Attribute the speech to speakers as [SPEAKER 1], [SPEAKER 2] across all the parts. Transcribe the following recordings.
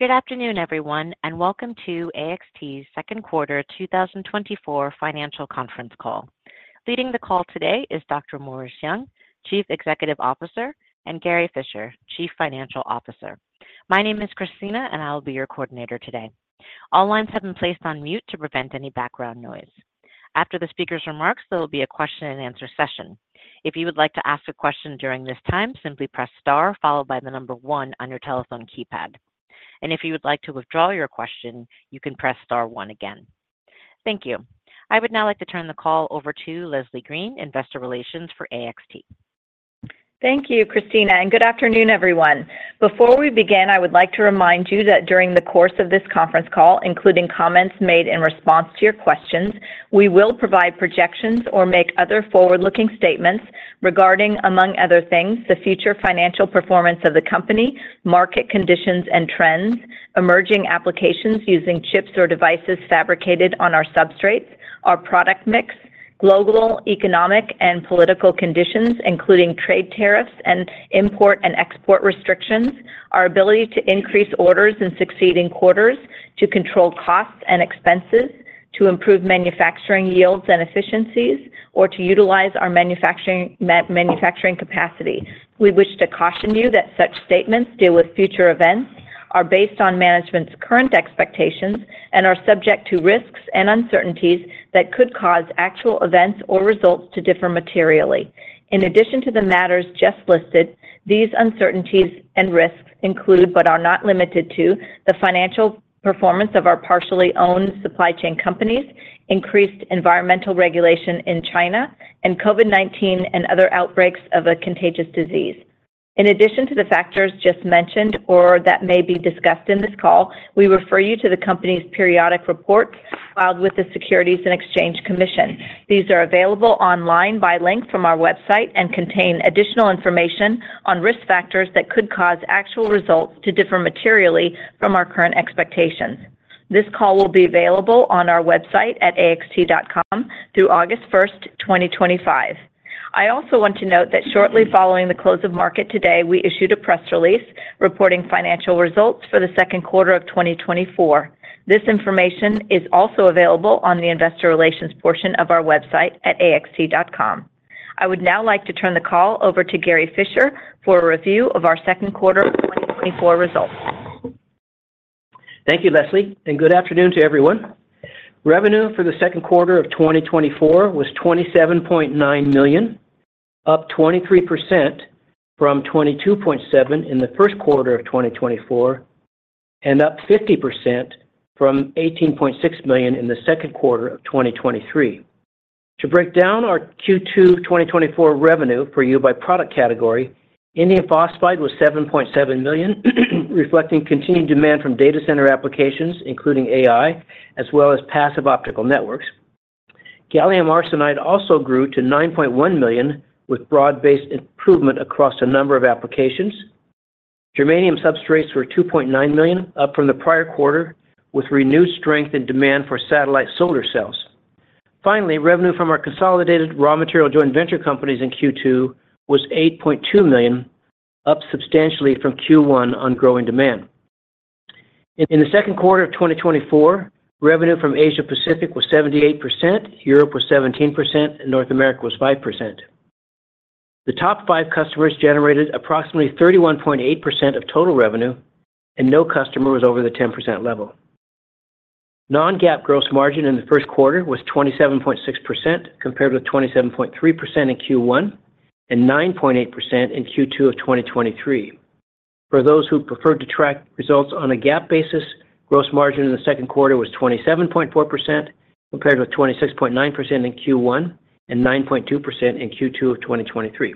[SPEAKER 1] Good afternoon, everyone, and welcome to AXT's second quarter 2024 financial conference call. Leading the call today is Dr. Morris Young, Chief Executive Officer, and Gary Fischer, Chief Financial Officer. My name is Christina, and I'll be your coordinator today. All lines have been placed on mute to prevent any background noise. After the speaker's remarks, there will be a question and answer session. If you would like to ask a question during this time, simply press star followed by the number one on your telephone keypad. If you would like to withdraw your question, you can press star one again. Thank you. I would now like to turn the call over to Leslie Green, Investor Relations for AXT.
[SPEAKER 2] Thank you, Christina, and good afternoon, everyone. Before we begin, I would like to remind you that during the course of this conference call, including comments made in response to your questions, we will provide projections or make other forward-looking statements regarding, among other things, the future financial performance of the company, market conditions and trends, emerging applications using chips or devices fabricated on our substrates, our product mix, global, economic, and political conditions, including trade tariffs and import and export restrictions, our ability to increase orders in succeeding quarters, to control costs and expenses, to improve manufacturing yields and efficiencies, or to utilize our manufacturing capacity. We wish to caution you that such statements deal with future events, are based on management's current expectations, and are subject to risks and uncertainties that could cause actual events or results to differ materially. In addition to the matters just listed, these uncertainties and risks include, but are not limited to, the financial performance of our partially owned supply chain companies, increased environmental regulation in China, and COVID-19 and other outbreaks of a contagious disease. In addition to the factors just mentioned or that may be discussed in this call, we refer you to the company's periodic reports filed with the Securities and Exchange Commission. These are available online by link from our website and contain additional information on risk factors that could cause actual results to differ materially from our current expectations. This call will be available on our website at axt.com through August 1, 2025. I also want to note that shortly following the close of market today, we issued a press release reporting financial results for the second quarter of 2024. This information is also available on the investor relations portion of our website at axt.com. I would now like to turn the call over to Gary Fischer for a review of our second quarter of 2024 results.
[SPEAKER 3] Thank you, Leslie, and good afternoon to everyone. Revenue for the second quarter of 2024 was $27.9 million, up 23% from $22.7 million in the first quarter of 2024, and up 50% from $18.6 million in the second quarter of 2023. To break down our Q2 2024 revenue for you by product category, indium phosphide was $7.7 million, reflecting continued demand from data center applications, including AI, as well as passive optical networks. Gallium arsenide also grew to $9.1 million, with broad-based improvement across a number of applications. Germanium substrates were $2.9 million, up from the prior quarter, with renewed strength and demand for satellite solar cells. Finally, revenue from our consolidated raw material joint venture companies in Q2 was $8.2 million, up substantially from Q1 on growing demand. In the second quarter of 2024, revenue from Asia Pacific was 78%, Europe was 17%, and North America was 5%. The top 5 customers generated approximately 31.8% of total revenue, and no customer was over the 10% level. Non-GAAP gross margin in the first quarter was 27.6%, compared with 27.3% in Q1 and 9.8% in Q2 of 2023. For those who prefer to track results on a GAAP basis, gross margin in the second quarter was 27.4%, compared with 26.9% in Q1 and 9.2% in Q2 of 2023.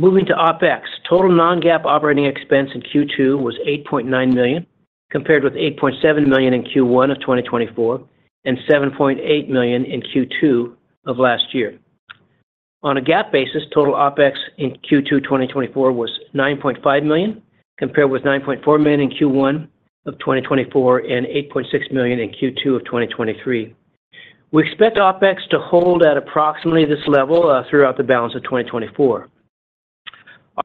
[SPEAKER 3] Moving to OpEx, total non-GAAP operating expense in Q2 was $8.9 million, compared with $8.7 million in Q1 of 2024 and $7.8 million in Q2 of last year. On a GAAP basis, total OpEx in Q2 2024 was $9.5 million, compared with $9.4 million in Q1 of 2024 and $8.6 million in Q2 of 2023. We expect OpEx to hold at approximately this level throughout the balance of 2024.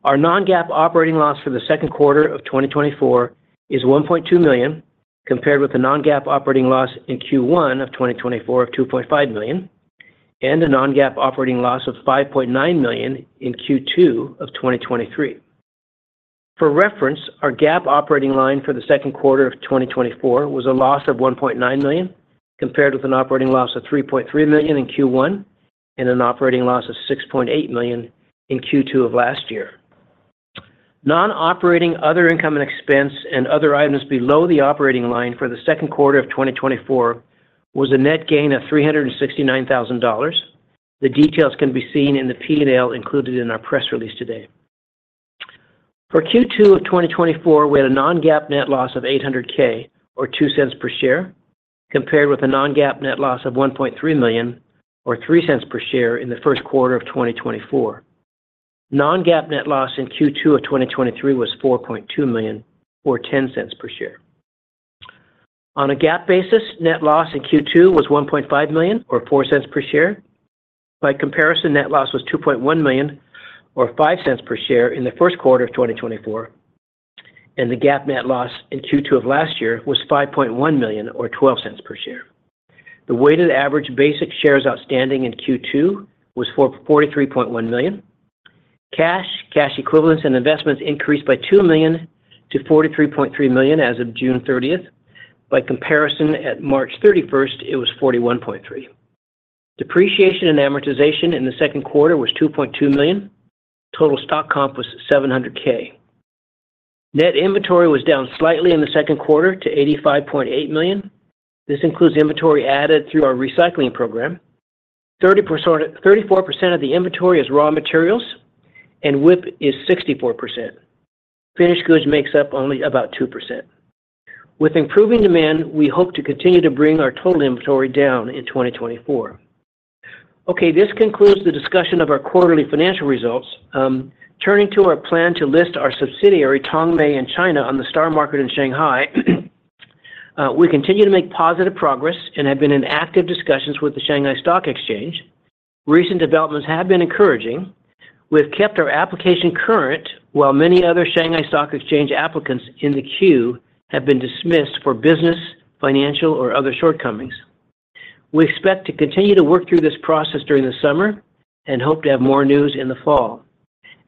[SPEAKER 3] Our non-GAAP operating loss for the second quarter of 2024 is $1.2 million, compared with the non-GAAP operating loss in Q1 of 2024 of $2.5 million, and a non-GAAP operating loss of $5.9 million in Q2 of 2023. For reference, our GAAP operating line for the second quarter of 2024 was a loss of $1.9 million, compared with an operating loss of $3.3 million in Q1 and an operating loss of $6.8 million in Q2 of last year. Non-operating other income and expense and other items below the operating line for the second quarter of 2024 was a net gain of $369,000. The details can be seen in the P&L included in our press release today. For Q2 of 2024, we had a non-GAAP net loss of $800,000 or $0.02 per share, compared with a non-GAAP net loss of $1.3 million or $0.03 per share in the first quarter of 2024. Non-GAAP net loss in Q2 of 2023 was $4.2 million, or $0.10 per share. On a GAAP basis, net loss in Q2 was $1.5 million or $0.04 per share. By comparison, net loss was $2.1 million or $0.05 per share in the first quarter of 2024, and the GAAP net loss in Q2 of last year was $5.1 million or $0.12 per share. The weighted average basic shares outstanding in Q2 was 43.1 million. Cash, cash equivalents, and investments increased by $2 million to $43.3 million as of June 30. By comparison, at March 31, it was $41.3 million. Depreciation and amortization in the second quarter was $2.2 million. Total stock comp was $700,000. Net inventory was down slightly in the second quarter to $85.8 million. This includes inventory added through our recycling program. Thirty-four percent of the inventory is raw materials, and WIP is 64%. Finished goods makes up only about 2%. With improving demand, we hope to continue to bring our total inventory down in 2024. Okay, this concludes the discussion of our quarterly financial results. Turning to our plan to list our subsidiary, Tongmei in China, on the STAR Market in Shanghai. We continue to make positive progress and have been in active discussions with the Shanghai Stock Exchange. Recent developments have been encouraging. We've kept our application current, while many other Shanghai Stock Exchange applicants in the queue have been dismissed for business, financial, or other shortcomings. We expect to continue to work through this process during the summer and hope to have more news in the fall.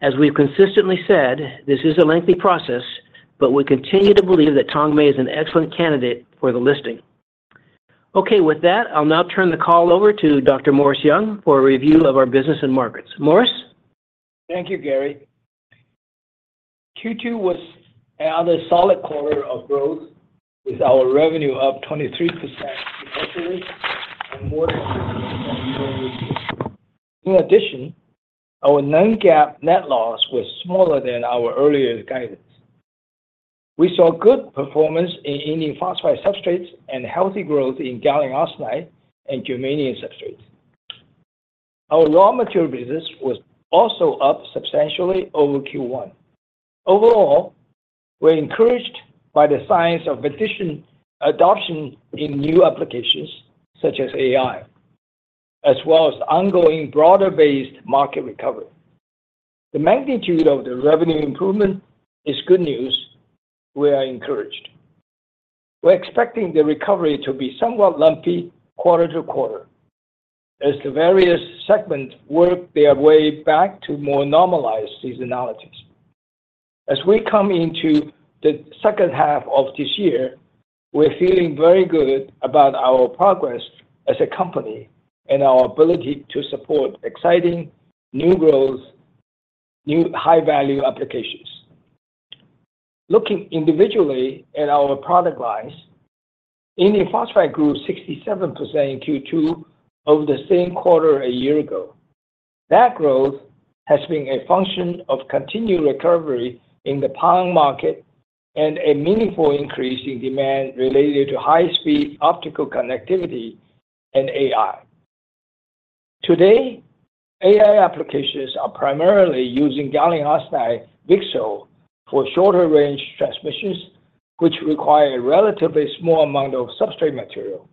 [SPEAKER 3] As we've consistently said, this is a lengthy process, but we continue to believe that Tongmei is an excellent candidate for the listing. Okay, with that, I'll now turn the call over to Dr. Morris Young for a review of our business and markets. Morris?
[SPEAKER 4] Thank you, Gary. Q2 was another solid quarter of growth, with our revenue up 23% quarterly and more than. In addition, our non-GAAP net loss was smaller than our earlier guidance. We saw good performance in indium phosphide substrates and healthy growth in gallium arsenide and germanium substrates. Our raw material business was also up substantially over Q1. Overall, we're encouraged by the signs of adoption in new applications such as AI, as well as the ongoing broader-based market recovery. The magnitude of the revenue improvement is good news. We are encouraged. We're expecting the recovery to be somewhat lumpy quarter to quarter as the various segments work their way back to more normalized seasonalities. As we come into the second half of this year, we're feeling very good about our progress as a company and our ability to support exciting new growth, new high-value applications. Looking individually at our product lines, indium phosphide grew 67% in Q2 over the same quarter a year ago. That growth has been a function of continued recovery in the power market and a meaningful increase in demand related to high-speed optical connectivity and AI. Today, AI applications are primarily using gallium arsenide VCSEL for shorter-range transmissions, which require a relatively small amount of substrate material.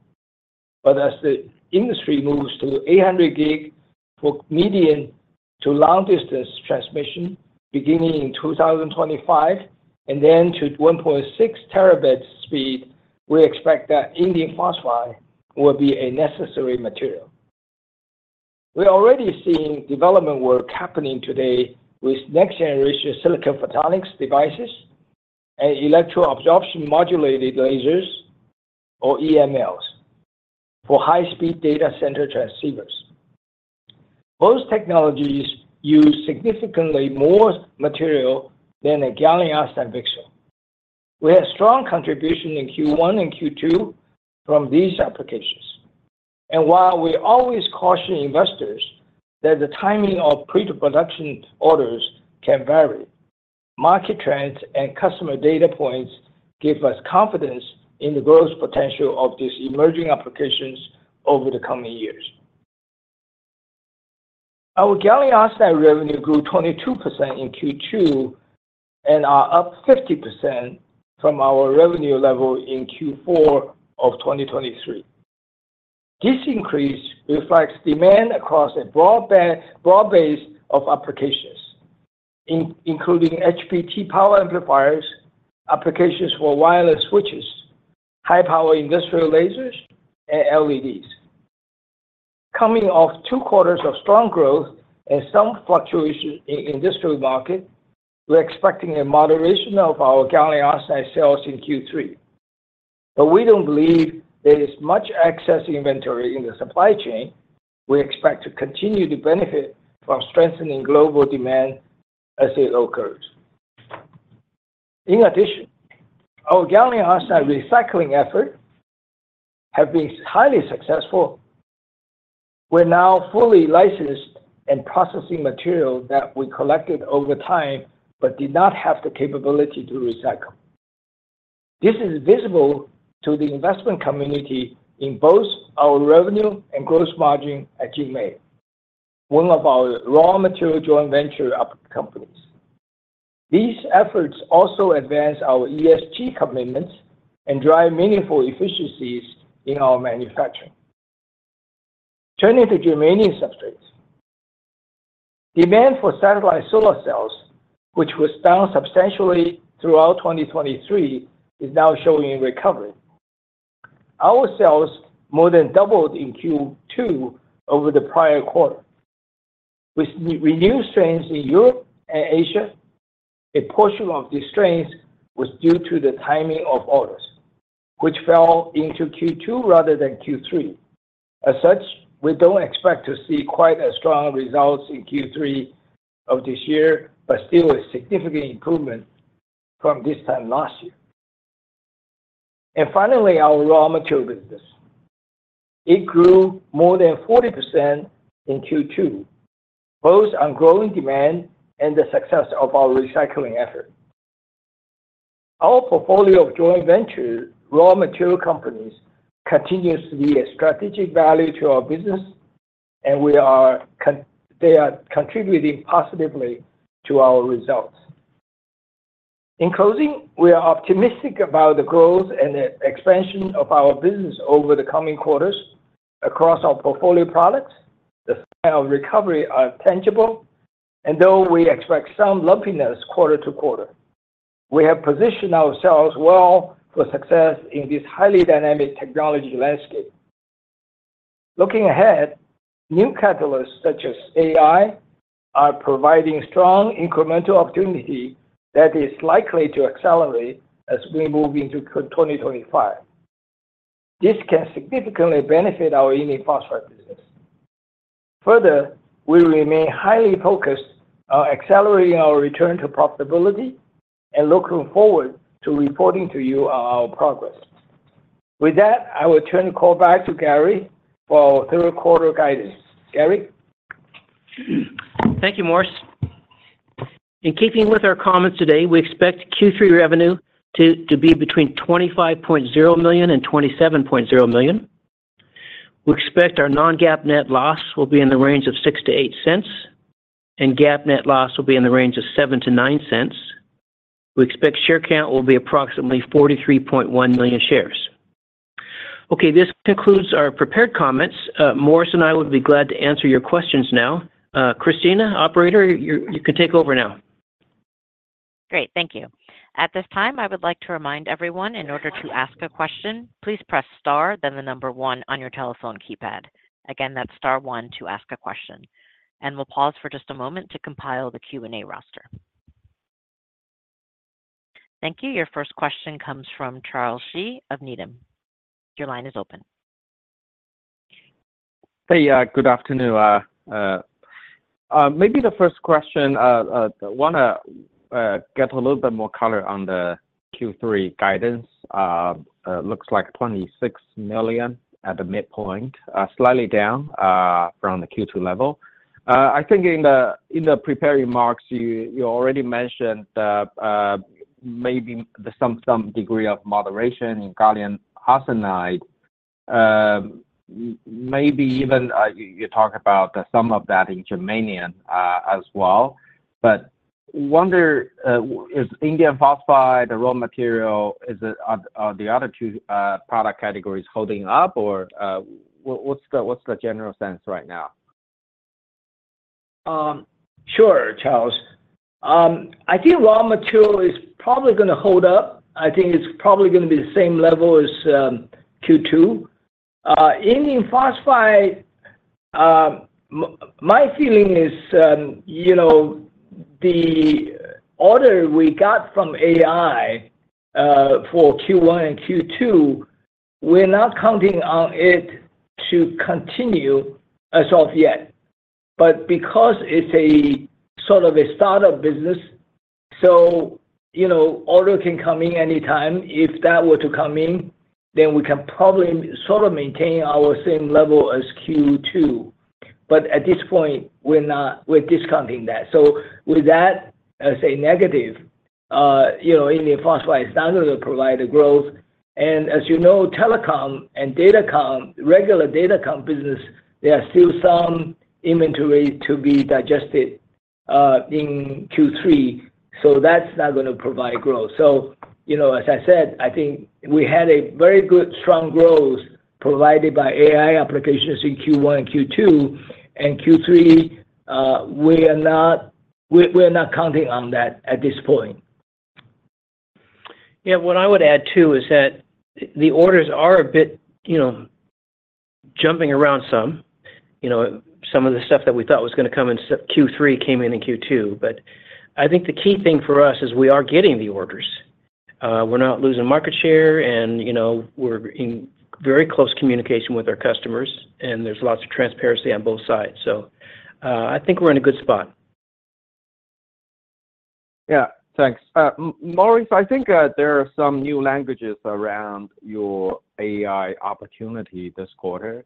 [SPEAKER 4] But as the industry moves to 800 gig for medium- to long-distance transmission beginning in 2025, and then to 1.6 terabits speed, we expect that indium phosphide will be a necessary material. We're already seeing development work happening today with next-generation silicon photonics devices and electro-absorption modulated lasers, or EMLs, for high-speed data center transceivers. Those technologies use significantly more material than a gallium arsenide VCSEL. We had strong contribution in Q1 and Q2 from these applications. While we always caution investors that the timing of pre-production orders can vary, market trends and customer data points give us confidence in the growth potential of these emerging applications over the coming years. Our Gallium Arsenide revenue grew 22% in Q2 and are up 50% from our revenue level in Q4 of 2023. This increase reflects demand across a broad base of applications, including HBT power amplifiers, applications for wireless switches, high-power industrial lasers, and LEDs. Coming off two quarters of strong growth and some fluctuation in industrial market, we're expecting a moderation of our gallium arsenide sales in Q3. But we don't believe there is much excess inventory in the supply chain. We expect to continue to benefit from strengthening global demand as it occurs. In addition, our gallium arsenide recycling efforts have been highly successful. We're now fully licensed and processing material that we collected over time but did not have the capability to recycle. This is visible to the investment community in both our revenue and gross margin at JinMei, one of our raw material joint venture companies. These efforts also advance our ESG commitments and drive meaningful efficiencies in our manufacturing. Turning to germanium substrates. Demand for satellite solar cells, which was down substantially throughout 2023, is now showing recovery. Our sales more than doubled in Q2 over the prior quarter. With renewed sales in Europe and Asia, a portion of the sales was due to the timing of orders, which fell into Q2 rather than Q3. As such, we don't expect to see quite as strong results in Q3 of this year, but still a significant improvement from this time last year. And finally, our raw material business. It grew more than 40% in Q2, both on growing demand and the success of our recycling effort. Our portfolio of joint venture raw material companies continues to be a strategic value to our business, and they are contributing positively to our results. In closing, we are optimistic about the growth and the expansion of our business over the coming quarters across our portfolio products. The signs of recovery are tangible, and though we expect some lumpiness quarter to quarter, we have positioned ourselves well for success in this highly dynamic technology landscape. Looking ahead, new catalysts such as AI are providing strong incremental opportunity that is likely to accelerate as we move into 2025. This can significantly benefit our indium phosphide business. Further, we remain highly focused on accelerating our return to profitability and looking forward to reporting to you on our progress. With that, I will turn the call back to Gary for third quarter guidance. Gary?
[SPEAKER 3] Thank you, Morris. In keeping with our comments today, we expect Q3 revenue to be between $25.0 million and $27.0 million. We expect our non-GAAP net loss will be in the range of $0.06-$0.08, and GAAP net loss will be in the range of $0.07-$0.09. We expect share count will be approximately 43.1 million shares. Okay, this concludes our prepared comments. Morris and I would be glad to answer your questions now. Christina, operator, you can take over now.
[SPEAKER 1] Great, thank you. At this time, I would like to remind everyone, in order to ask a question, please press Star, then the number one on your telephone keypad. Again, that's Star one to ask a question, and we'll pause for just a moment to compile the Q&A roster. Thank you. Your first question comes from Charles Shi of Needham. Your line is open.
[SPEAKER 5] Hey, good afternoon. Maybe the first question, I wanna get a little bit more color on the Q3 guidance. Looks like $26 million at the midpoint, slightly down from the Q2 level. I think in the prepared remarks, you already mentioned that, maybe there's some degree of moderation in gallium arsenide, maybe even you talk about some of that in germanium, as well. But wonder, is indium phosphide, the raw material, is it, are the other two product categories holding up, or what's the general sense right now?
[SPEAKER 4] Sure, Charles. I think raw material is probably gonna hold up. I think it's probably gonna be the same level as Q2. Indium phosphide, my feeling is, you know, the order we got from AI for Q1 and Q2, we're not counting on it to continue as of yet. But because it's a sort of a startup business, so, you know, order can come in anytime. If that were to come in, then we can probably sort of maintain our same level as Q2. But at this point, we're discounting that. So with that as a negative, you know, indium phosphide is not gonna provide a growth. And as you know, telecom and datacom, regular datacom business, there are still some inventory to be digested in Q3, so that's not gonna provide growth. You know, as I said, I think we had a very good, strong growth provided by AI applications in Q1 and Q2, and Q3. We're not counting on that at this point.
[SPEAKER 3] Yeah, what I would add, too, is that the orders are a bit, you know, jumping around some. You know, some of the stuff that we thought was gonna come in Q3, came in in Q2. But I think the key thing for us is we are getting the orders. We're not losing market share and, you know, we're in very close communication with our customers, and there's lots of transparency on both sides. So, I think we're in a good spot.
[SPEAKER 5] Yeah. Thanks. Morris, I think there are some new languages around your AI opportunity this quarter.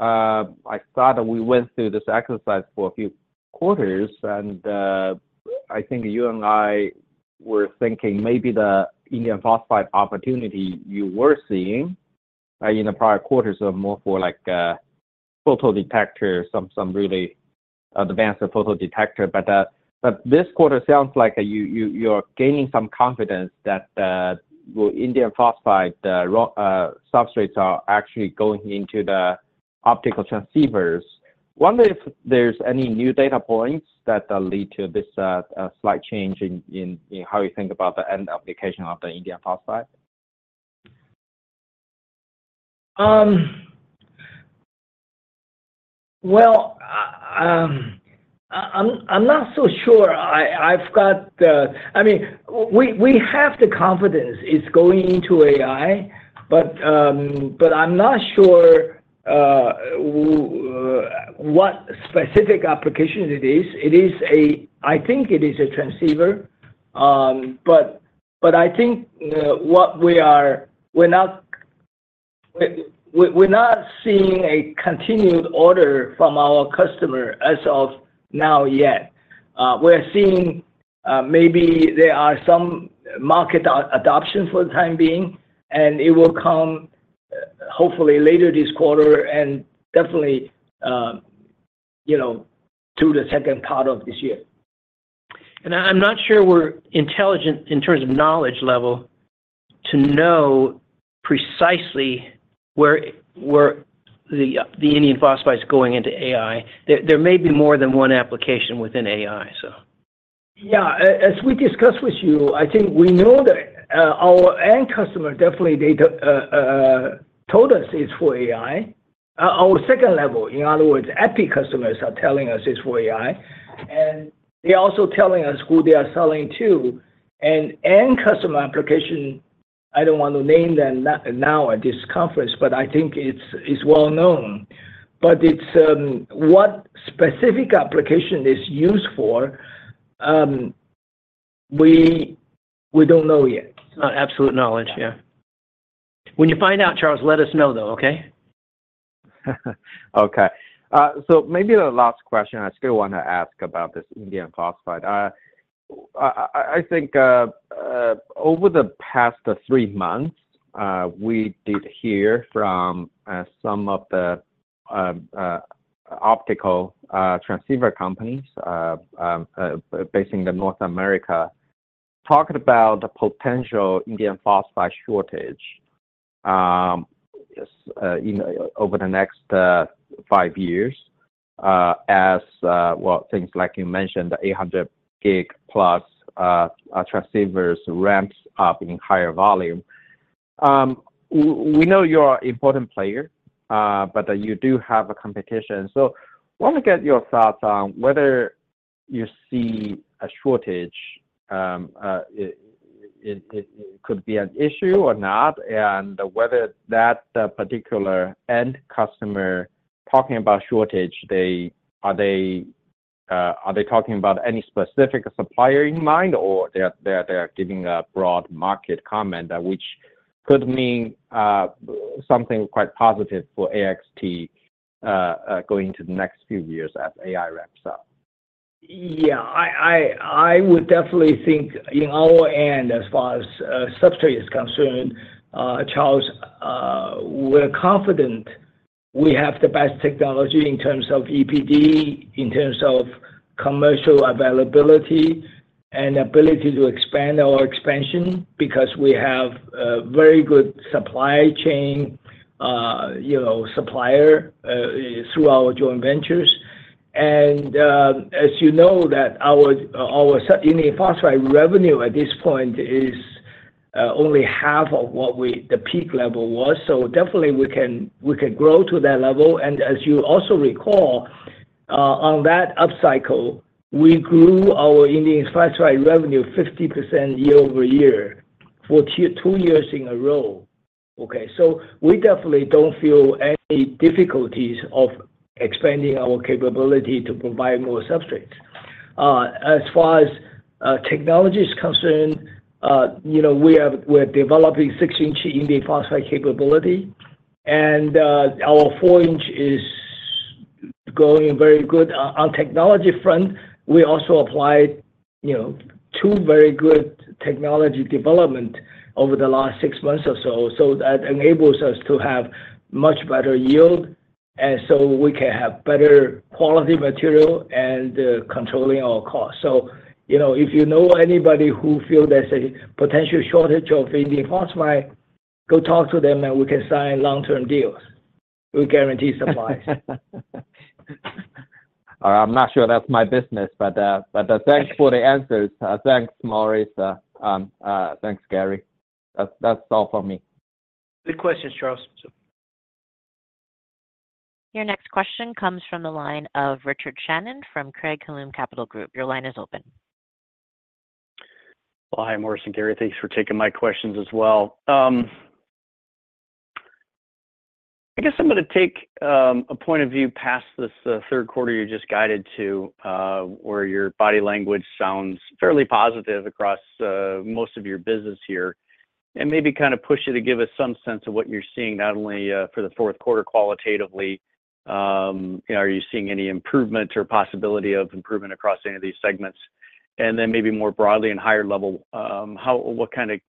[SPEAKER 5] I thought we went through this exercise for a few quarters, and I think you and I were thinking maybe the indium phosphide opportunity you were seeing in the prior quarters are more for like photodetectors, some really advanced photodetectors. But this quarter sounds like you, you're gaining some confidence that the, well, indium phosphide, the raw substrates are actually going into the optical transceivers. Wonder if there's any new data points that lead to this slight change in how you think about the end application of the indium phosphide?
[SPEAKER 4] Well, I'm not so sure. I've got the, I mean, we have the confidence it's going into AI, but I'm not sure what specific application it is. It is a, I think it is a transceiver. But I think what we are, we're not seeing a continued order from our customer as of now yet. We're seeing maybe there are some market adoption for the time being, and it will come hopefully later this quarter and definitely, you know, through the second part of this year.
[SPEAKER 3] I'm not sure we're intelligent in terms of knowledge level to know precisely where the indium phosphide is going into AI. There may be more than one application within AI, so.
[SPEAKER 4] Yeah. As we discussed with you, I think we know that, our end customer, definitely they told us it's for AI. Our second level, in other words, epi customers are telling us it's for AI, and they're also telling us who they are selling to. And end customer application, I don't want to name them now at this conference, but I think it's well known. But it's what specific application it's used for, we don't know yet.
[SPEAKER 3] Absolute knowledge, yeah. When you find out, Charles, let us know, though, okay?
[SPEAKER 5] Okay. So maybe the last question I still want to ask about this indium phosphide. I think over the past three months, we did hear from some of the optical transceiver companies based in North America, talking about the potential indium phosphide shortage over the next five years, as well, things like you mentioned, the 800 gig plus transceivers ramps up in higher volume. We know you're important player, but you do have a competition. So, want to get your thoughts on whether you see a shortage, it could be an issue or not, and whether that particular end customer talking about shortage, they are talking about any specific supplier in mind or they're giving a broad market comment, which could mean something quite positive for AXT going into the next few years as AI ramps up?
[SPEAKER 4] Yeah, I would definitely think in our end, as far as substrate is concerned, Charles, we're confident we have the best technology in terms of EPI, in terms of commercial availability and ability to expand our expansion, because we have a very good supply chain, you know, supplier, through our joint ventures. And, as you know, that our indium phosphide revenue at this point is only half of what we the peak level was. So definitely we can grow to that level. And as you also recall, on that upcycle, we grew our indium phosphide revenue 50% year-over-year for two years in a row. Okay, so we definitely don't feel any difficulties of expanding our capability to provide more substrates. As far as technology is concerned, you know, we are developing six-inch indium phosphide capability, and our four-inch is going very good. On technology front, we also applied, you know, two very good technology development over the last six months or so. So that enables us to have much better yield, and so we can have better quality material and controlling our costs. So, you know, if you know anybody who feel there's a potential shortage of indium phosphide, go talk to them, and we can sign long-term deals. We guarantee supplies.
[SPEAKER 5] I'm not sure that's my business, but thanks for the answers. Thanks, Morris. Thanks, Gary. That's all for me.
[SPEAKER 4] Good questions, Charles.
[SPEAKER 1] Your next question comes from the line of Richard Shannon from Craig-Hallum Capital Group. Your line is open.
[SPEAKER 6] Well, Hi, Morris and Gary. Thanks for taking my questions as well. I guess I'm going to take a point of view past this third quarter you just guided to, where your body language sounds fairly positive across most of your business here. And maybe kind of push you to give us some sense of what you're seeing, not only for the fourth quarter qualitatively, are you seeing any improvement or possibility of improvement across any of these segments?... and then maybe more broadly and higher level, how, what kind of,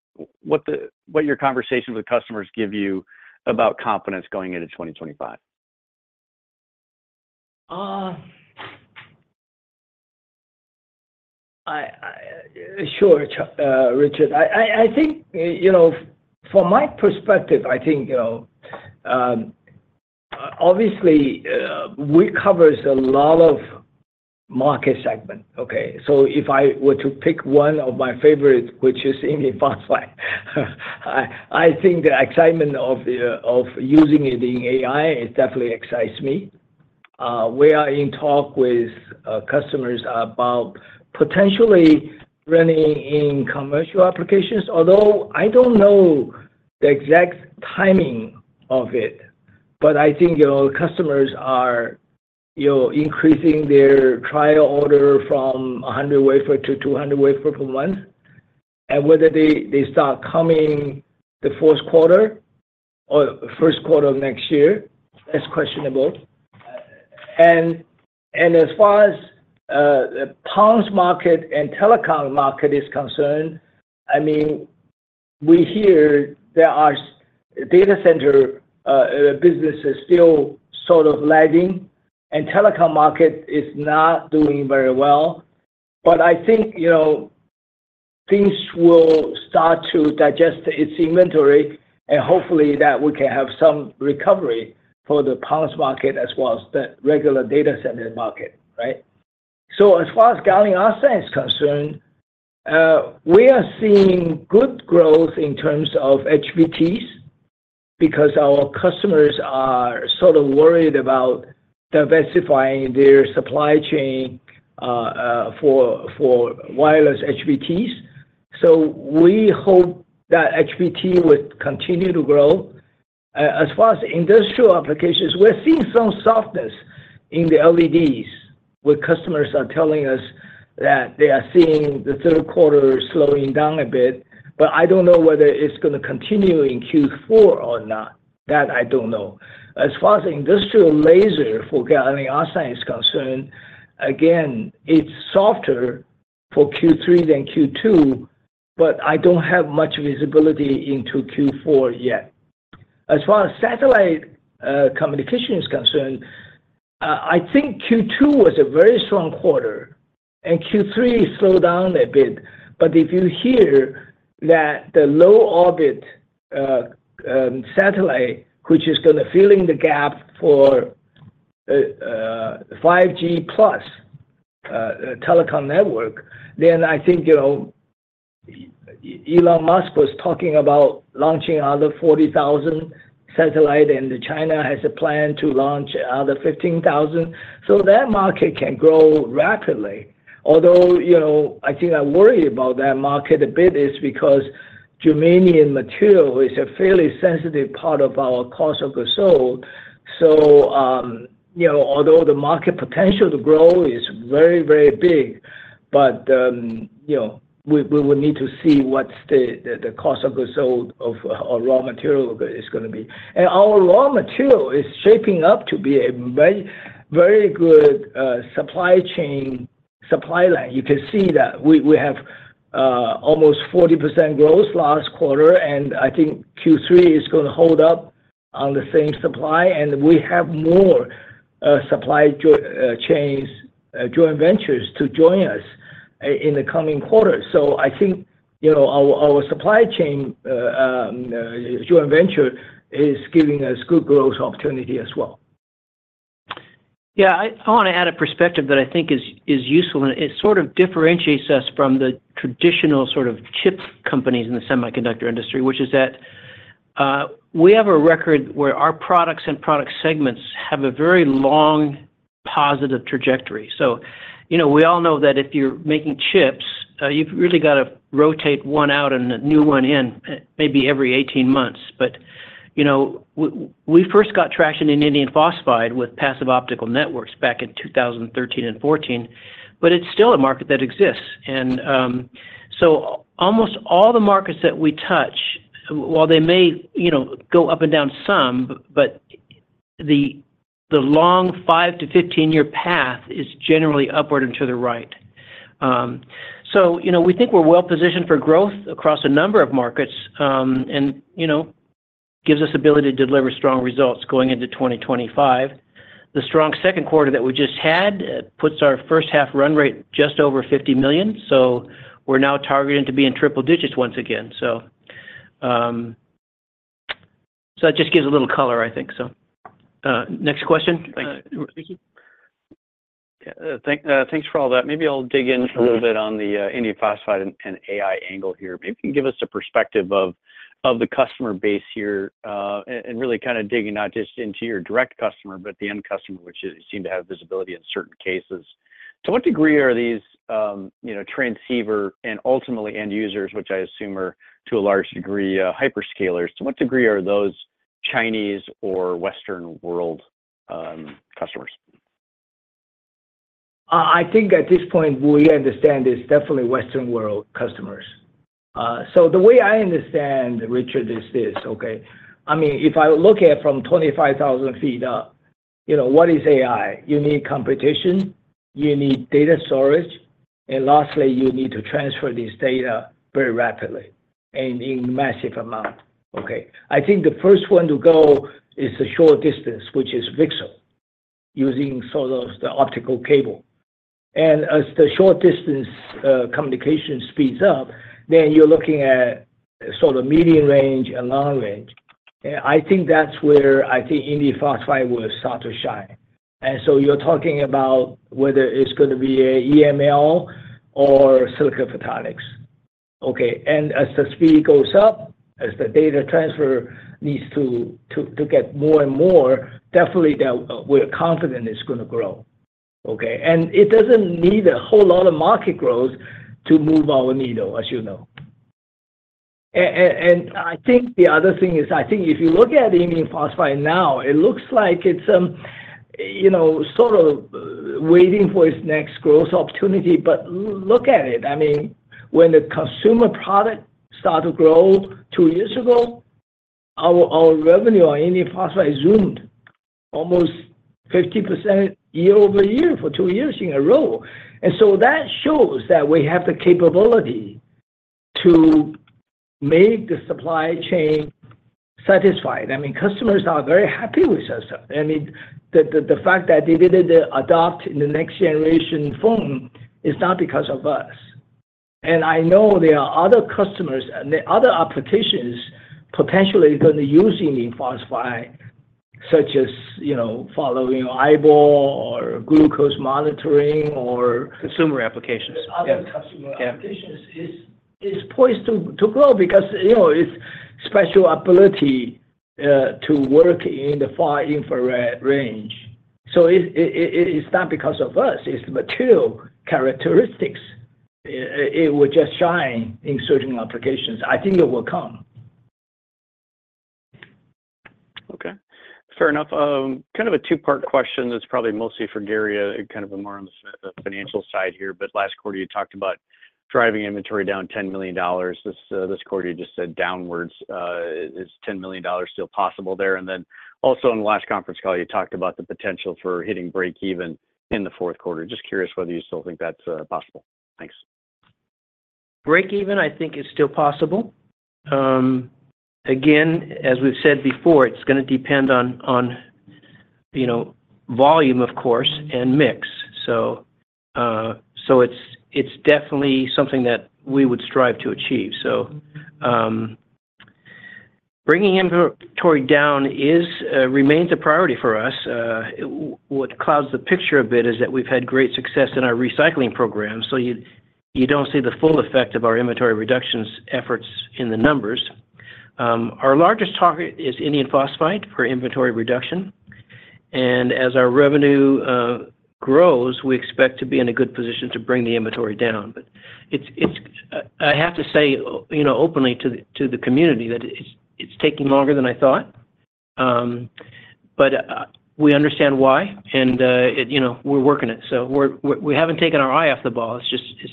[SPEAKER 6] what the, what your conversations with customers give you about confidence going into 2025?
[SPEAKER 4] Sure, Richard. I think, you know, from my perspective, I think, you know, obviously, we covers a lot of market segment, okay? So if I were to pick one of my favorite, which is indium phosphide, I think the excitement of using it in AI, it definitely excites me. We are in talk with customers about potentially running in commercial applications, although I don't know the exact timing of it. But I think, you know, customers are, you know, increasing their trial order from 100 wafer to 200 wafer per month, and whether they start coming the fourth quarter or first quarter of next year is questionable. As far as the PONs market and telecom market is concerned, I mean, we hear there are data center businesses still sort of lagging, and telecom market is not doing very well. But I think, you know, things will start to digest its inventory, and hopefully, that we can have some recovery for the PONs market as well as the regular data center market, right? So as far as gallium arsenide is concerned, we are seeing good growth in terms of HBTs, because our customers are sort of worried about diversifying their supply chain for wireless HBTs. So we hope that HBT would continue to grow. As far as industrial applications, we're seeing some softness in the LEDs, where customers are telling us that they are seeing the third quarter slowing down a bit, but I don't know whether it's gonna continue in Q4 or not. That I don't know. As far as industrial laser for gallium arsenide is concerned, again, it's softer for Q3 than Q2, but I don't have much visibility into Q4 yet. As far as satellite communication is concerned, I think Q2 was a very strong quarter, and Q3 slowed down a bit. But if you hear that the low orbit satellite, which is gonna fill in the gap for 5G plus telecom network, then I think, you know, Elon Musk was talking about launching another 40,000 satellite, and China has a plan to launch another 15,000. So that market can grow rapidly. Although, you know, I think I worry about that market a bit is because germanium material is a fairly sensitive part of our cost of goods sold. So, you know, although the market potential to grow is very, very big, but, you know, we, we would need to see what's the, the, the cost of goods sold of our raw material is gonna be. And our raw material is shaping up to be a very, very good, supply chain, supply line. You can see that we, we have, almost 40% growth last quarter, and I think Q3 is gonna hold up on the same supply, and we have more, supply chain, joint ventures to join us in the coming quarter. So I think, you know, our supply chain joint venture is giving us good growth opportunity as well.
[SPEAKER 3] Yeah, I wanna add a perspective that I think is useful, and it sort of differentiates us from the traditional sort of chip companies in the semiconductor industry, which is that we have a record where our products and product segments have a very long, positive trajectory. So, you know, we all know that if you're making chips, you've really got to rotate one out and a new one in, maybe every 18 months. But, you know, we first got traction in indium phosphide with passive optical networks back in 2013 and 2014, but it's still a market that exists. And, so almost all the markets that we touch, while they may, you know, go up and down some, but the long 5- to 15-year path is generally upward and to the right. So, you know, we think we're well positioned for growth across a number of markets, and, you know, gives us ability to deliver strong results going into 2025. The strong second quarter that we just had puts our first half run rate just over $50 million, so we're now targeting to be in triple digits once again. So, so that just gives a little color, I think so. Next question?
[SPEAKER 6] Thanks for all that. Maybe I'll dig in a little bit on the indium phosphide and AI angle here. Maybe you can give us a perspective of the customer base here, and really kind of digging not just into your direct customer, but the end customer, which you seem to have visibility in certain cases. To what degree are these, you know, transceiver and ultimately end users, which I assume are, to a large degree, hyperscalers, to what degree are those Chinese or Western world customers?
[SPEAKER 4] I think at this point, we understand it's definitely Western world customers. So the way I understand, Richard, is this, okay? I mean, if I look at it from 25,000 feet up, you know, what is AI? You need computation, you need data storage, and lastly, you need to transfer this data very rapidly and in massive amount. Okay. I think the first one to go is the short distance, which is VCSEL, using sort of the optical cable. And as the short distance communication speeds up, then you're looking at sort of medium range and long range. And I think that's where I think indium phosphide will start to shine. And so you're talking about whether it's gonna be a EML or silicon photonics. Okay, and as the speed goes up, as the data transfer needs to get more and more, definitely that, we're confident it's gonna grow. Okay? And it doesn't need a whole lot of market growth to move our needle, as you know. And I think the other thing is, I think if you look at the indium phosphide now, it looks like it's, you know, sort of waiting for its next growth opportunity, but look at it. I mean, when the consumer product started to grow two years ago, our revenue on indium phosphide zoomed almost 50% year-over-year for two years in a row. And so that shows that we have the capability to make the supply chain satisfied. I mean, customers are very happy with us. I mean, the fact that they didn't adopt in the next generation phone is not because of us. And I know there are other customers and the other applications potentially gonna use indium phosphide, such as, you know, following eyeball or glucose monitoring or-
[SPEAKER 3] Consumer applications.
[SPEAKER 4] Other consumer applications is poised to grow because, you know, it's special ability to work in the far infrared range. So it's not because of us, it's material characteristics. It would just shine in certain applications. I think it will come.
[SPEAKER 6] Okay, fair enough. Kind of a two-part question that's probably mostly for Gary, kind of more on the financial side here. But last quarter, you talked about driving inventory down $10 million. This quarter, you just said downwards. Is $10 million still possible there? And then also in the last conference call, you talked about the potential for hitting breakeven in the fourth quarter. Just curious whether you still think that's possible. Thanks.
[SPEAKER 3] Breakeven, I think is still possible. Again, as we've said before, it's gonna depend on, on, you know, volume, of course, and mix. So, so it's definitely something that we would strive to achieve. So, bringing inventory down remains a priority for us. What clouds the picture a bit is that we've had great success in our Recycling Program, so you don't see the full effect of our inventory reductions efforts in the numbers. Our largest target is indium phosphide for inventory reduction, and as our revenue grows, we expect to be in a good position to bring the inventory down. But it's. I have to say, you know, openly to the community that it's taking longer than I thought, but we understand why, and it, you know, we're working it. So we haven't taken our eye off the ball. It's just, it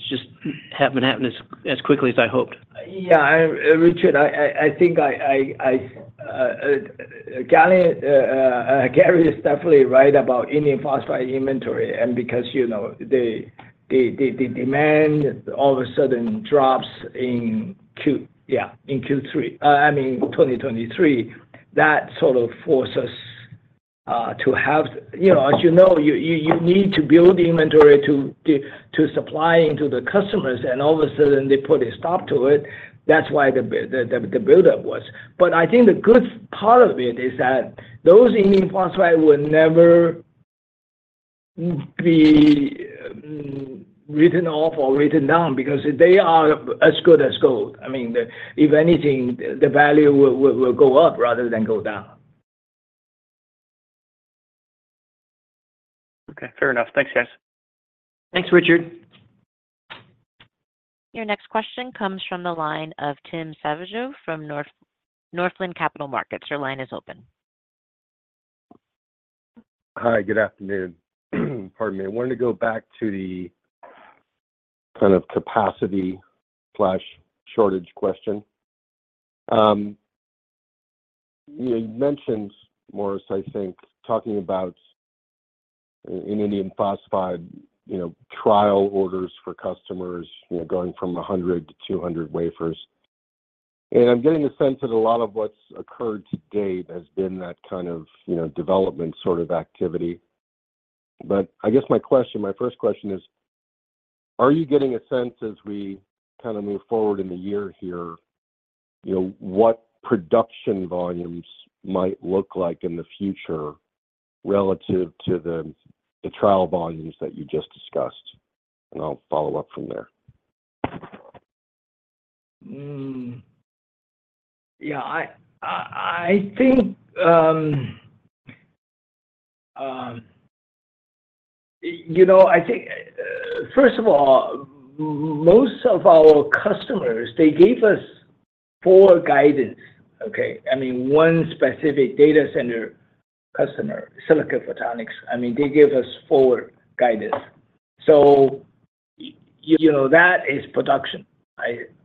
[SPEAKER 3] hasn't happened as quickly as I hoped.
[SPEAKER 4] Yeah, Richard, I think Gary is definitely right about indium phosphide inventory, and because, you know, the demand all of a sudden drops in Q3, yeah, in 2023. That sort of force us to have... You know, as you know, you need to build the inventory to supply into the customers, and all of a sudden, they put a stop to it. That's why the buildup was. But I think the good part of it is that those indium phosphide will never be written off or written down because they are as good as gold. I mean, if anything, the value will go up rather than go down.
[SPEAKER 6] Okay, fair enough. Thanks, guys.
[SPEAKER 3] Thanks, Richard.
[SPEAKER 1] Your next question comes from the line of Tim Savageaux from Northland Capital Markets. Your line is open.
[SPEAKER 7] Hi, good afternoon. Pardon me. I wanted to go back to the kind of capacity/shortage question. You mentioned, Morris, I think, talking about in indium phosphide, you know, trial orders for customers, you know, going from 100 to 200 wafers. And I'm getting a sense that a lot of what's occurred to date has been that kind of, you know, development sort of activity. But I guess my question, my first question is: Are you getting a sense as we kind of move forward in the year here, you know, what production volumes might look like in the future relative to the trial volumes that you just discussed? And I'll follow up from there.
[SPEAKER 4] Yeah, I think, first of all, most of our customers, they gave us full guidance, okay? I mean, one specific data center customer, Silicon Photonics, I mean, they give us forward guidance. So you know, that is production.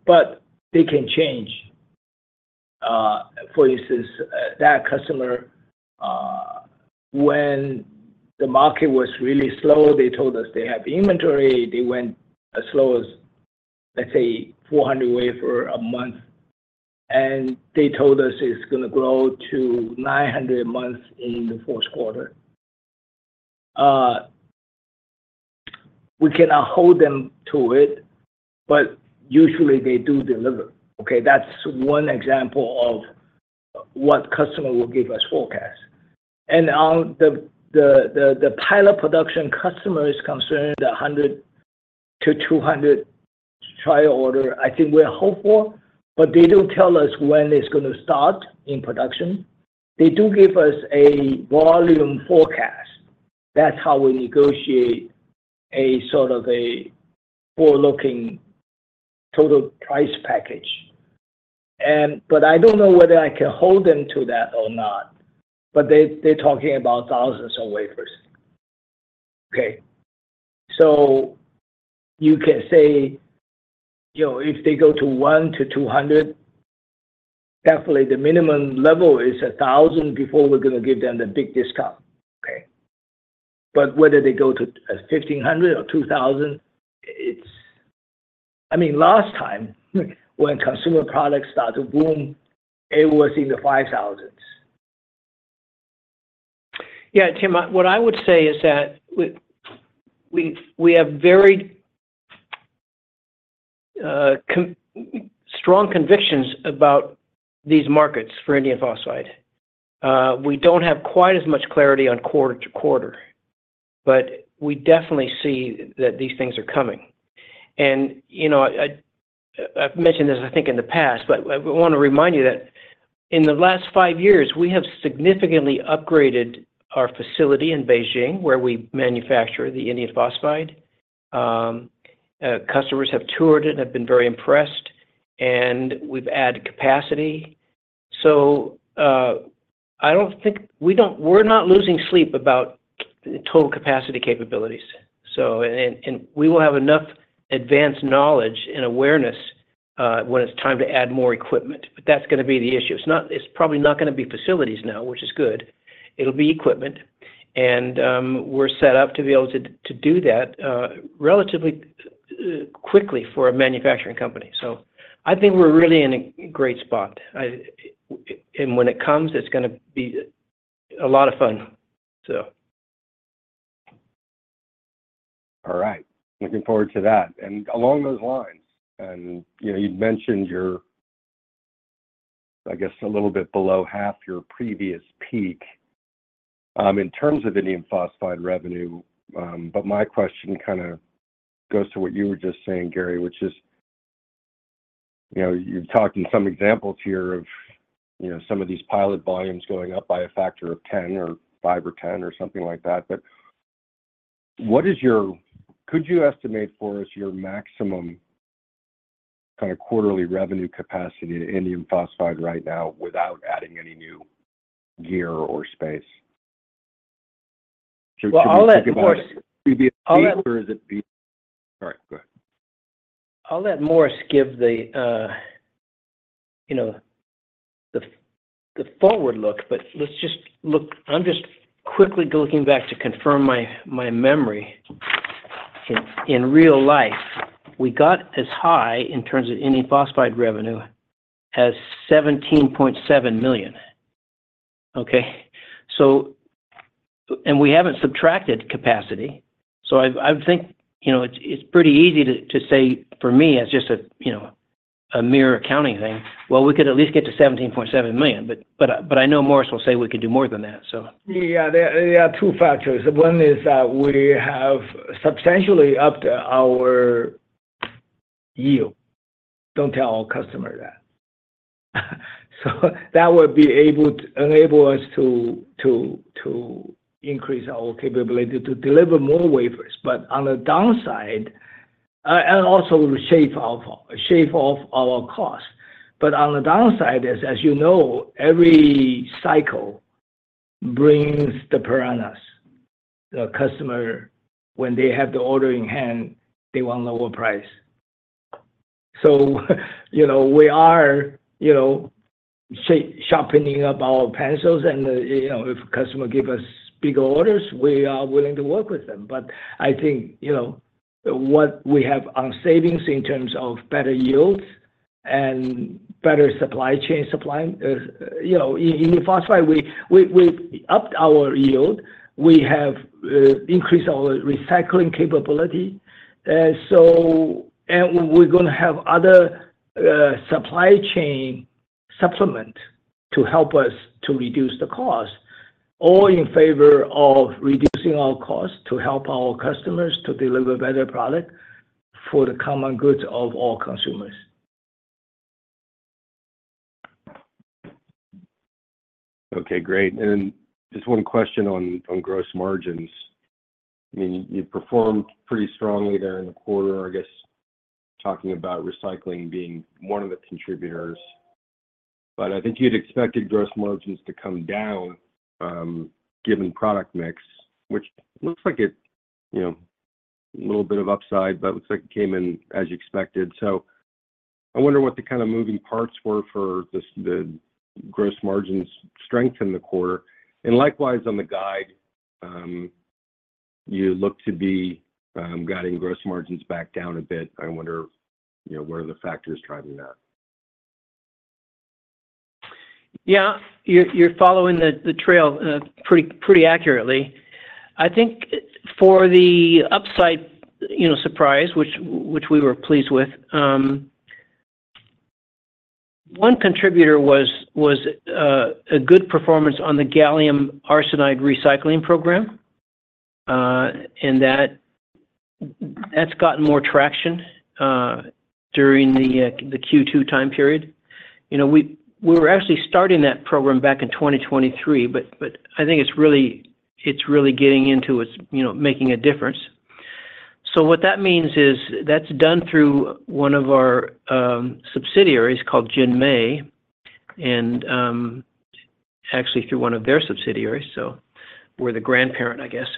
[SPEAKER 4] But they can change. For instance, that customer, when the market was really slow, they told us they have inventory, they went as slow as, let's say, 400 wafers a month, and they told us it's gonna grow to 900 a month in the fourth quarter. We cannot hold them to it, but usually they do deliver, okay? That's one example of what customer will give us forecast. On the pilot production customer is concerned, the 100 to 200 trial order, I think we're hopeful, but they don't tell us when it's gonna start in production. They do give us a volume forecast. That's how we negotiate a sort of a forward-looking total price package. But I don't know whether I can hold them to that or not, but they, they're talking about thousands of wafers. Okay. So you can say, you know, if they go to 100 to 200, definitely the minimum level is a thousand before we're gonna give them the big discount, okay? But whether they go to 1,500 or 2,000, it's-- I mean, last time, when consumer products started to boom, it was in the 5,000s.
[SPEAKER 3] Yeah, Tim, what I would say is that we have very strong convictions about these markets for indium phosphide. We don't have quite as much clarity on quarter to quarter, but we definitely see that these things are coming. And, you know, I've mentioned this, I think, in the past, but I wanna remind you that in the last five years, we have significantly upgraded our facility in Beijing, where we manufacture the indium phosphide. Customers have toured it and have been very impressed, and we've added capacity. So, I don't think... We're not losing sleep about total capacity capabilities. So, and, we will have enough advanced knowledge and awareness, when it's time to add more equipment, but that's gonna be the issue. It's probably not gonna be facilities now, which is good. It'll be equipment, and we're set up to be able to to do that relatively quickly for a manufacturing company. So I think we're really in a great spot. And when it comes, it's gonna be a lot of fun, so.
[SPEAKER 7] All right. Looking forward to that. And along those lines, and, you know, you'd mentioned you're, I guess, a little bit below half your previous peak, in terms of indium phosphide revenue, but my question kind of goes to what you were just saying, Gary, which is, you know, you've talked in some examples here of, you know, some of these pilot volumes going up by a factor of 10 or 5 or 10 or something like that, but what is your—could you estimate for us your maximum kind of quarterly revenue capacity to indium phosphide right now without adding any new gear or space?
[SPEAKER 3] Well, I'll let Morris-
[SPEAKER 7] Or is it... All right, go ahead.
[SPEAKER 3] I'll let Morris give the, you know, the forward look, but let's just look—I'm just quickly looking back to confirm my memory. In real life, we got as high in terms of indium phosphide revenue as $17.7 million, okay? So, and we haven't subtracted capacity, so I would think, you know, it's pretty easy to say, for me, it's just a, you know, a mere accounting thing. Well, we could at least get to $17.7 million, but, but I know Morris will say we could do more than that, so.
[SPEAKER 4] Yeah, there are two factors. One is that we have substantially upped our yield. Don't tell our customer that. So that would enable us to increase our capability to deliver more wafers. But on the downside, and also shave off our cost. But on the downside is, as you know, every cycle brings the piranhas. The customer, when they have the order in hand, they want lower price. So, you know, we are, you know, sharpening up our pencils and, you know, if customer give us bigger orders, we are willing to work with them. But I think, you know, what we have on savings in terms of better yields and better supply chain supplying, you know, in indium phosphide, we've upped our yield, we have increased our recycling capability, so, and we're gonna have other supply chain supplement to help us to reduce the cost, all in favor of reducing our cost to help our customers to deliver better product for the common good of all consumers.
[SPEAKER 7] Okay, great. And then just one question on gross margins. I mean, you performed pretty strongly there in the quarter, I guess, talking about recycling being one of the contributors. But I think you'd expected gross margins to come down, given product mix, which looks like it, you know, a little bit of upside, but looks like it came in as you expected. So I wonder what the kind of moving parts were for this, the gross margins strength in the quarter. And likewise, on the guide, you look to be guiding gross margins back down a bit. I wonder, you know, what are the factors driving that?
[SPEAKER 3] Yeah, you're following the trail pretty accurately. I think for the upside, you know, surprise, which we were pleased with, one contributor was a good performance on the gallium arsenide recycling program. And that's gotten more traction during the Q2 time period. You know, we were actually starting that program back in 2023, but I think it's really getting into its, you know, making a difference. So what that means is, that's done through one of our subsidiaries called JinMei, and actually through one of their subsidiaries, so we're the grandparent, I guess.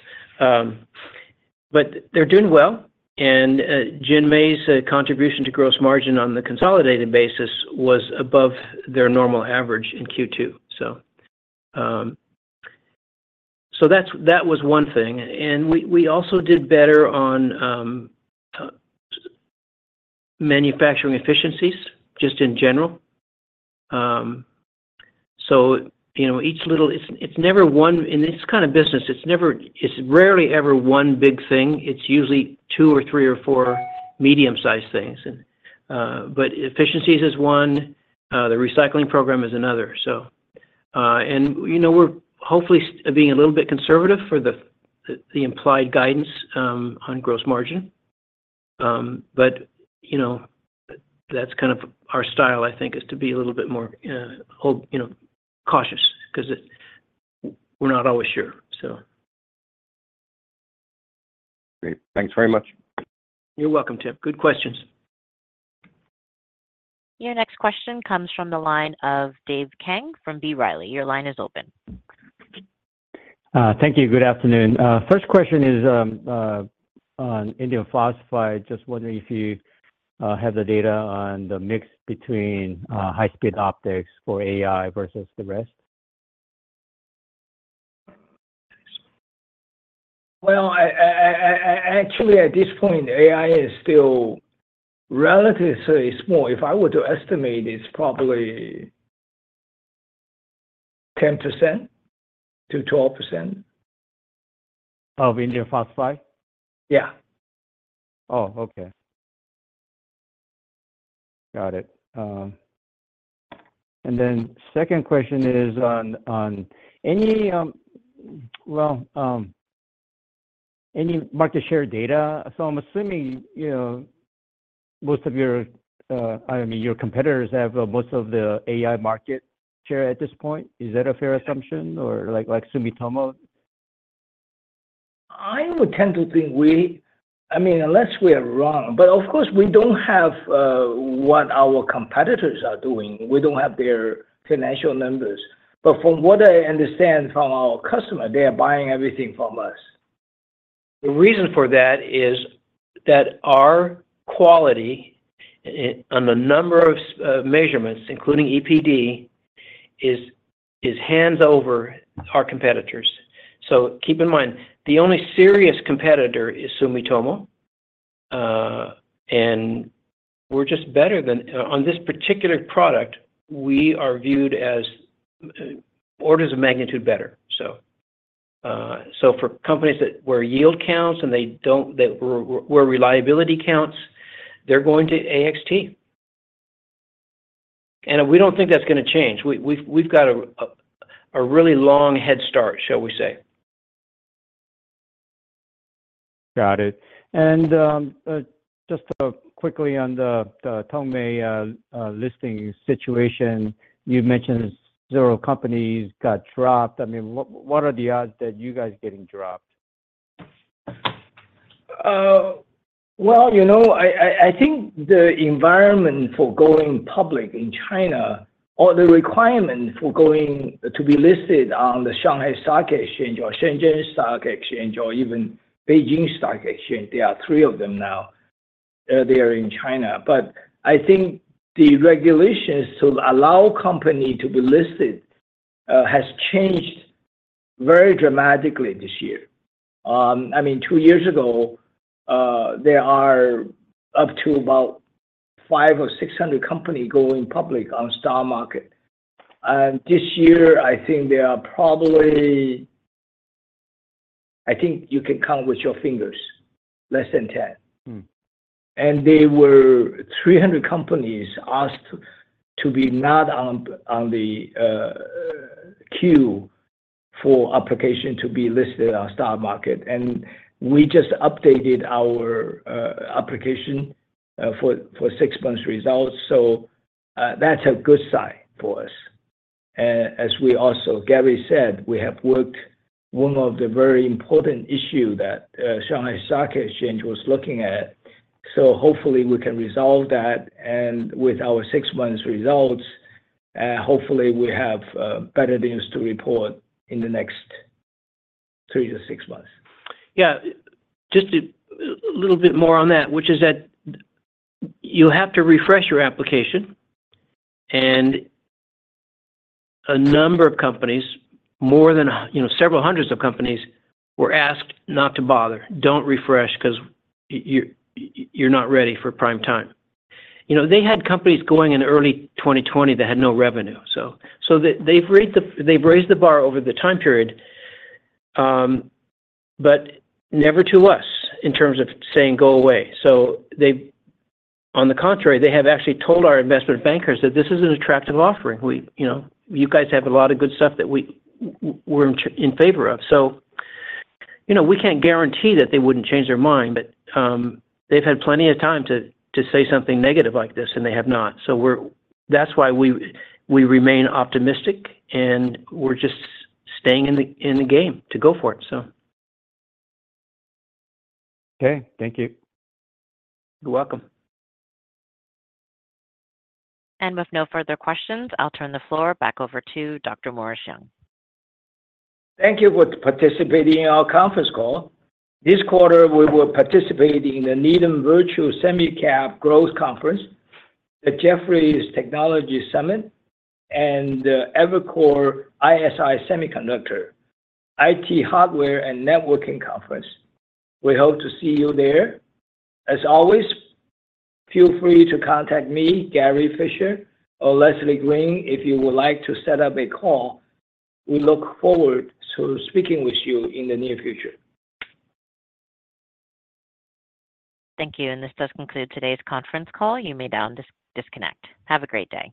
[SPEAKER 3] But they're doing well, and JinMei's contribution to gross margin on the consolidated basis was above their normal average in Q2, so. So that was one thing. We also did better on manufacturing efficiencies, just in general. So, you know, it's never one, in this kind of business, it's rarely ever one big thing, it's usually two or three or four medium-sized things. But efficiencies is one, the recycling program is another. So, you know, we're hopefully being a little bit conservative for the implied guidance on gross margin. But, you know, that's kind of our style, I think, is to be a little bit more wholly, you know, cautious, 'cause it, we're not always sure, so.
[SPEAKER 7] Great. Thanks very much.
[SPEAKER 3] You're welcome, Tim. Good questions.
[SPEAKER 1] Your next question comes from the line of Dave Kang from B. Riley. Your line is open.
[SPEAKER 8] Thank you. Good afternoon. First question is on indium phosphide. Just wondering if you have the data on the mix between high-speed optics for AI versus the rest?
[SPEAKER 3] Well, actually, at this point, AI is still relatively small. If I were to estimate, it's probably 10%-12%.
[SPEAKER 8] Of indium phosphide?
[SPEAKER 3] Yeah.
[SPEAKER 8] Oh, okay. Got it. And then second question is on any, well, any market share data. So I'm assuming, you know, most of your, I mean, your competitors have most of the AI market share at this point. Is that a fair assumption, or like Sumitomo?
[SPEAKER 3] I would tend to think we, I mean, unless we are wrong, but of course, we don't have what our competitors are doing. We don't have their financial numbers. But from what I understand from our customer, they are buying everything from us. The reason for that is that our quality in the number of measurements, including EPD, is hands down over our competitors. So keep in mind, the only serious competitor is Sumitomo, and we're just better than— On this particular product, we are viewed as orders of magnitude better. So for companies where yield counts and they don't, that where reliability counts, they're going to AXT. And we don't think that's gonna change. We've got a really long head start, shall we say.
[SPEAKER 8] Got it. And just quickly on the Tongmei listing situation, you mentioned several companies got dropped. I mean, what are the odds that you guys getting dropped?
[SPEAKER 3] Well, you know, I think the environment for going public in China or the requirement for going to be listed on the Shanghai Stock Exchange or Shenzhen Stock Exchange or even Beijing Stock Exchange, there are three of them now, there in China. But I think the regulations to allow company to be listed, has changed very dramatically this year. I mean, two years ago, there are up to about 500 or 600 company going public on stock market. And this year, I think there are probably... I think you can count with your fingers, less than 10.
[SPEAKER 8] Mm.
[SPEAKER 4] And there were 300 companies asked to be not on the queue for application to be listed on our stock market, and we just updated our application for six months results. So, that's a good sign for us. And as we also, Gary said, we have worked one of the very important issue that Shanghai Stock Exchange was looking at, so hopefully we can resolve that, and with our six months results, hopefully we have better news to report in the next 3 to 6 months.
[SPEAKER 3] Yeah. Just a little bit more on that, which is that you have to refresh your application, and a number of companies, more than, you know, several hundreds of companies, were asked not to bother. "Don't refresh 'cause you're not ready for prime time." You know, they had companies going in early 2020 that had no revenue, so they've raised the bar over the time period, but never to us in terms of saying, "Go away." So they... On the contrary, they have actually told our investment bankers that this is an attractive offering.
[SPEAKER 4] We, you know, "You guys have a lot of good stuff that we're in favor of." So, you know, we can't guarantee that they wouldn't change their mind, but they've had plenty of time to say something negative like this, and they have not. So that's why we remain optimistic, and we're just staying in the game to go for it, so.
[SPEAKER 7] Okay. Thank you.
[SPEAKER 3] You're welcome.
[SPEAKER 1] With no further questions, I'll turn the floor back over to Dr. Morris Young.
[SPEAKER 4] Thank you for participating in our conference call. This quarter, we will participate in the Needham Virtual Semi-Cap Growth Conference, the Jefferies Technology Summit, and the Evercore ISI Semiconductor, IT Hardware and Networking Conference. We hope to see you there. As always, feel free to contact me, Gary Fischer, or Leslie Green, if you would like to set up a call. We look forward to speaking with you in the near future.
[SPEAKER 1] Thank you, and this does conclude today's conference call. You may now disconnect. Have a great day.